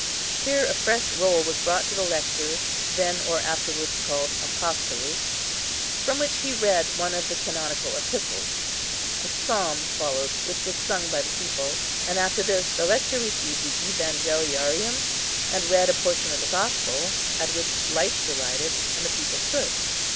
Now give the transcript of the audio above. Here a fresh roll was brought to the Lector, then or afterwards called Apostolus, from which he read one of the canonical epistles. A psalm followed, which was sung by the people; and, after this, the Lector received the Evangeliarium, and read a portion of the Gospel, at which lights were lighted, and the people stood.